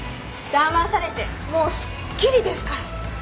だまされてもうすっきりですから。